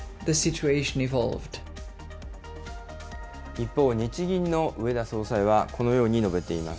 一方、日銀の植田総裁はこのように述べています。